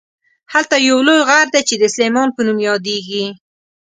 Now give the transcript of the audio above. هلته یو لوی غر دی چې د سلیمان په نوم یادیږي.